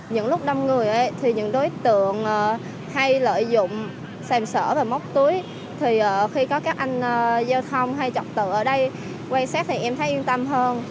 những lúc đông người thì những đối tượng hay lợi dụng sèm sỡ và móc túi thì khi có các anh giao thông hay trật tự ở đây quan sát thì em thấy yên tâm hơn